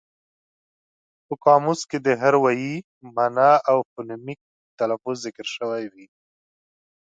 په قاموس کې د هر ویي مانا او فونیمک تلفظ ذکر شوی وي.